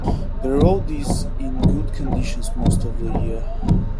The road is in good conditions most of the year.